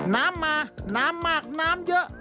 น้ำมาน้ำมากน้ำเยอะ